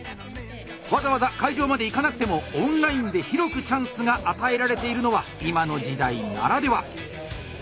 わざわざ会場まで行かなくてもオンラインで広くチャンスが与えられているのは今の時代ならでは！